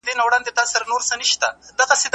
زهبه ابات وای .